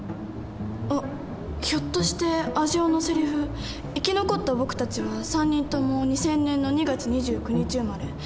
あっひょっとしてアジオのセリフ「生き残った僕たちは３人とも２０００年の２月２９日生まれ。